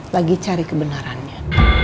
lagi cari kebenarannya